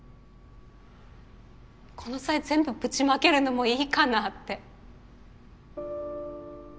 この際全部ぶちまけるのもいいかなって。